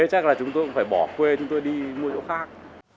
chắc là chúng tôi cũng phải bỏ quê chúng tôi đi mua chỗ khác